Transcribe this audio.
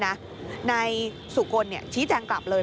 นายสุกลชี้แจงกลับเลย